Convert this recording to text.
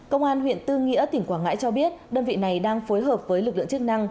công an huyện tư nghĩa tỉnh quảng ngãi cho biết đơn vị này đang phối hợp với lực lượng chức năng